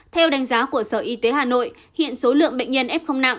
theo đánh giá của sở y tế hà nội hiện số lượng bệnh nhân f nặng